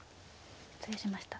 失礼しました。